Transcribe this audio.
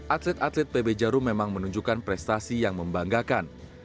atlet atlet pb jarum memang menunjukkan prestasi yang membanggakan